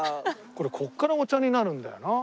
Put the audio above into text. これここからお茶になるんだよな。